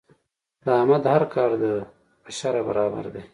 د احمد هر کار د په شرعه برابر دی.